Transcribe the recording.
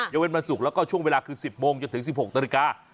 เยาวิทยาลัยมันสุกแล้วก็ช่วงเวลาคือ๑๐โมงจะถึง๑๖ตรกา